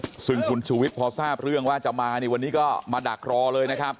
ซึ่งคุณชูวิทย์พอทราบเรื่องว่าจะมาเนี่ยวันนี้ก็มาดักรอเลยนะครับ